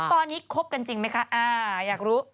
ตอนนี้คบกันจริงไหมคะอยากรู้